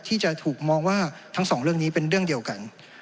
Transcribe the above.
ที่จะถูกมองว่าทั้งสองเรื่องนี้เป็นเรื่องเดียวกัน